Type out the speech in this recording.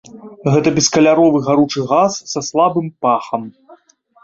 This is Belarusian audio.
Гэта бескаляровы гаручы газ са слабым пахам.